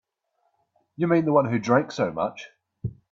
You mean the one who drank so much?